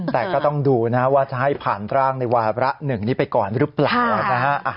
แต่ก็ต้องดูนะว่าจะให้ผ่านร่างในวาระ๑นี้ไปก่อนหรือเปล่านะฮะ